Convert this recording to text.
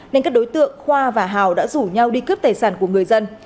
nên các đối tượng khoa và hào đã rủ nhau đi cướp tài sản của người dân